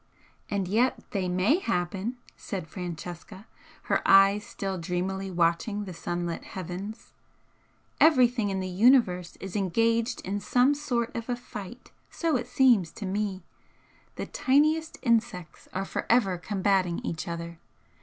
"And yet they MAY happen!" said Francesca, her eyes still dreamily watching the sunlit heavens "Everything in the Universe is engaged in some sort of a fight, so it seems to me. The tiniest insects are for ever combating each other.